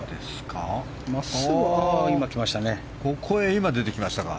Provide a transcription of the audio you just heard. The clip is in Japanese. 今、出てきましたか。